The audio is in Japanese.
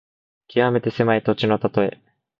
きわめて狭い土地のたとえ。